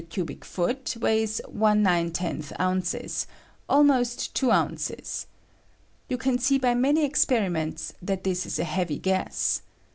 cubio foot weighs 1 ^ oz,, almost two ounces. You can see by many experiments that this is a heavy gas.